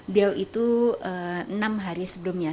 beliau itu enam hari sebelumnya